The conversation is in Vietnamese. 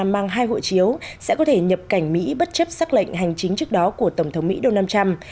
mang hai hộ chiếu sẽ có thể nhập cảnh mỹ bất chấp xác lệnh hành chính trước đó của tổng thống mỹ donald trump